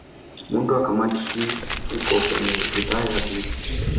Muundo wa Kamati hii uko kwenye ridhaa ya Bodi